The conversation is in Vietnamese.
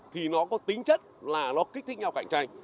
thì nó có tính chất là nó kích thích nhau cạnh tranh